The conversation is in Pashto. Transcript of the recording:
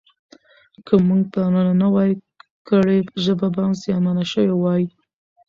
که موږ پاملرنه نه وای کړې ژبه به زیانمنه شوې وای.